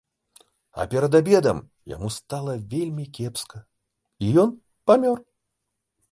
А перад абедам яму стала вельмі кепска, і ён памёр.